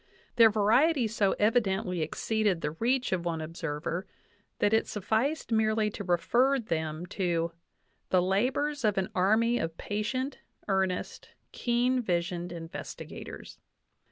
Their variety so evi dently exceeded the reach of one observer that it sufficed merely to refer them to "the labors of an army of patient, earnest, keen visioned investigators."